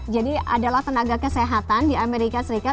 adalah tenaga kesehatan di amerika serikat